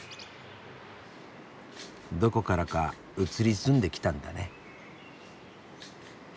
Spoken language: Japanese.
どこからか移りすんできたんだね。